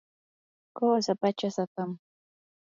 qusaa pachasapam.